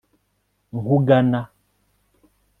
nkugana